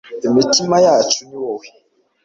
imitima yacu ni wowe